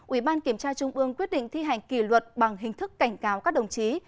ủy ban kiểm tra trung ương quyết định thi hành kỷ luật bằng hình thức cảnh cáo các đồng chí